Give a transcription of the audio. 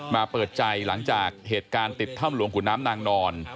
เปิดใจหลังจากเหตุการณ์ติดถ้ำหลวงขุนน้ำนางนอน